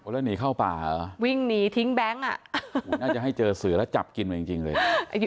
แล้วหนีเข้าป่าเหรอวิ่งหนีทิ้งแบงค์อ่ะน่าจะให้เจอเสือแล้วจับกินมาจริงเลย